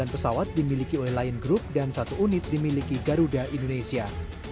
sembilan pesawat dimiliki oleh lion group dan satu unit dimiliki garuda indonesia